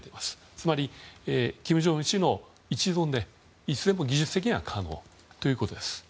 つまり、金正恩氏の一存でいつでも技術的には可能ということです。